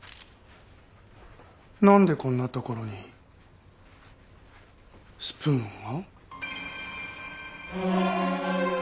なんでこんな所にスプーンが？